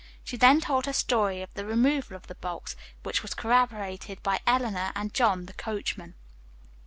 She then told her story of the removal of the box, which was corroborated by Eleanor and John, the coachman.